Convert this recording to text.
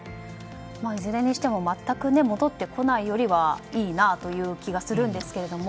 いずれにしても全く戻ってこないよりはいいなという気がするんですけども。